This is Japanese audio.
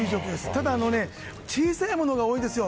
ただ、小さいものが多いですよ。